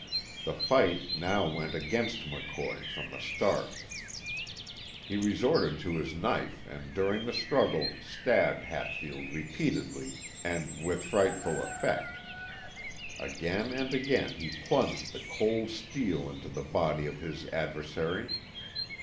The fight now went against McCoy from the start. He resorted to his knife and during the struggle stabbed Hatfield repeatedly and with frightful effect. Again and again he plunged the cold steel into the body of his adversary.